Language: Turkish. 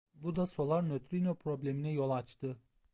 Bu da solar nötrino problemine yol açtı.